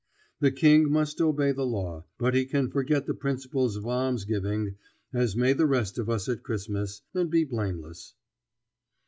The King must obey the law, but he can forget the principles of alms giving, as may the rest of us at Christmas, and be blameless.